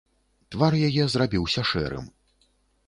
Твар яе зрабіўся шэрым.